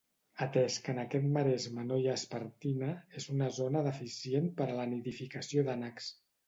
Atès que en aquest maresme no hi ha espartina, és una zona deficient per a la nidificació d'ànecs.